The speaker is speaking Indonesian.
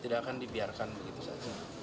bukan dibiarkan begitu saja